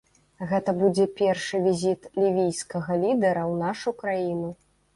Гэта будзе першы візіт лівійскага лідэра ў нашу краіну.